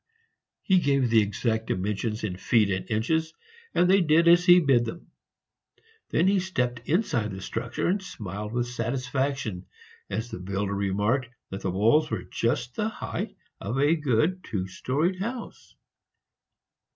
He gave the exact dimensions in feet and inches, and they did as he bid them. Then he stepped inside the structure, and smiled with satisfaction as the builder remarked that the walls were just the height of a good two storeyed house.